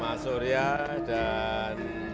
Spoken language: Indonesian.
mas surya dan